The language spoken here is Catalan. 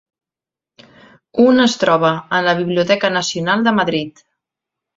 Un es troba en la Biblioteca Nacional de Madrid.